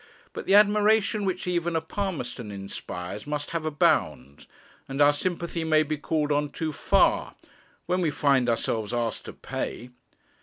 But the admiration which even a Palmerston inspires must have a bound, and our s_i_mpathy may be called on too far. When we find ourselves asked to pay